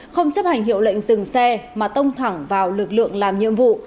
không chấp hành hiệu lệnh dừng xe mà tông thẳng vào lực lượng làm nhiệm vụ